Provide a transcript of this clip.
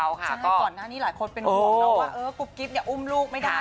ใช่ก่อนหน้านี้หลายคนเป็นห่วงนะว่ากุ๊บกิ๊บอุ้มลูกไม่ได้